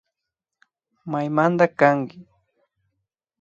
Maymanta kanki